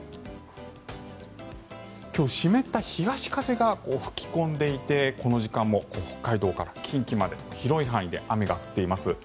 今日、湿った東風が吹き込んでいてこの時間も北海道から近畿まで広い範囲で雨が降っています。